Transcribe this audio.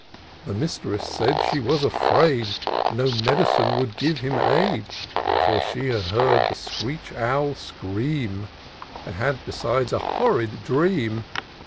The mistress said she was a&aid No medicine would give him aid ; For she had heard the screech owl scream, And had besides a horrid dream.